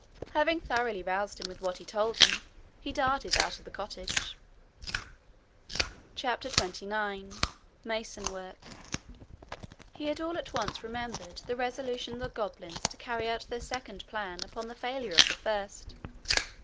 Having thoroughly roused him with what he told him he darted out of the cottage. CHAPTER 29 Masonwork He had all at once remembered the resolution of the goblins to carry out their second plan upon the failure of the first.